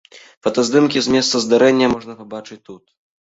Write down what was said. Фотаздымкі з месца здарэння можна пабачыць тут.